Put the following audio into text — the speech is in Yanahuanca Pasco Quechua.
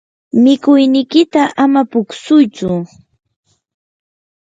mikuynikiyta ama puksuytsu.